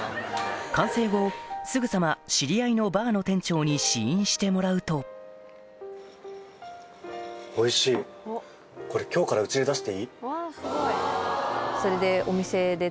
完成後すぐさま知り合いのバーの店長に試飲してもらうとみたいになって。